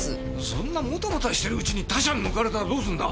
そんなモタモタしてるうちに他社に抜かれたらどうするんだ！？